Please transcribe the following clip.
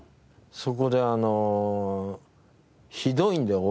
そこであのひどいんだよ